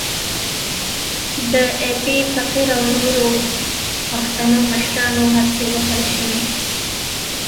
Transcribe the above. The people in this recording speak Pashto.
د ایپي فقیر او نورو پښتنو مشرانو هڅې ووهل شوې.